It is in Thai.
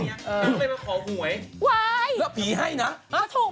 ไม่เชื่อเรื่องมันอย่างนั้นนางไปมาขอบ่วย